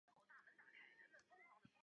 崔铣为明代理学大家。